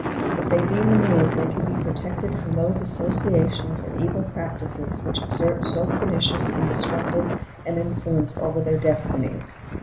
If they be removed, they can be protected from those associations and evil practices which exert so pernicious and destructive an influence over their destinies.